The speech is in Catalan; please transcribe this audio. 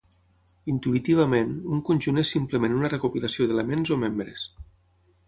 Intuïtivament, un conjunt és simplement una recopilació d'elements o "membres".